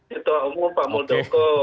juta umur pak modoko